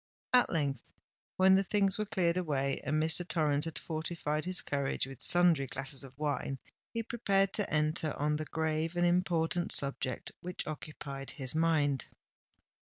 At length, when the things were cleared away and Mr. Torrens had fortified his courage with sundry glasses of wine, he prepared to enter on the grave and important subject which occupied his mind.